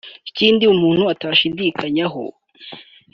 Ikindi umuntu atashidikanyaho